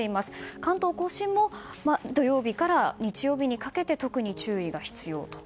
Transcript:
関東・甲信も土曜日から日曜日にかけて特に注意が必要と。